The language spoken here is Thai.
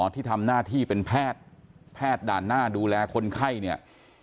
ที่ทำหน้าที่เป็นแพทย์แพทย์ด่านหน้าดูแลคนไข้เนี่ย